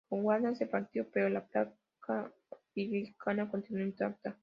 Gondwana se partió, pero la placa africana continuó intacta.